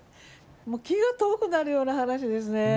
もう気が遠くなるような話ですね。